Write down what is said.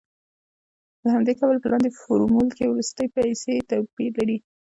له همدې کبله په لاندې فورمول کې وروستۍ پیسې توپیر لري